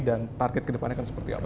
dan target kedepannya akan seperti apa